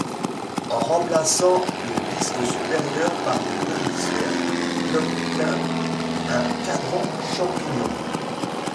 En remplaçant le disque supérieur par une demi-sphère, on obtient un cadran-champignon.